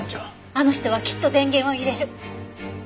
あの人はきっと電源を入れる。